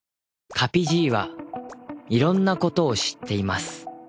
カピ爺はいろんなことを知っていますキュル？